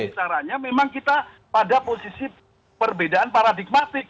kalau misalnya memang kita pada posisi perbedaan paradigmatik